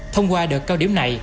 thông qua đợt cao điểm này